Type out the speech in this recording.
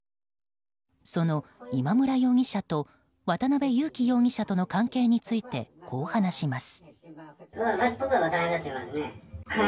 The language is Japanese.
その今村容疑者と渡辺優樹容疑者との関係についてこう話します。